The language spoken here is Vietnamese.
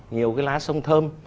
nhiều cái lá sông thơm